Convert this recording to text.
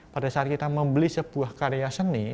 pada saat kita membeli sebuah karya seni